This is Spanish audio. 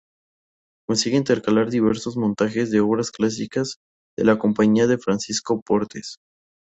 Consigue intercalar diversos montajes de obras clásicas de la compañía de Francisco Portes.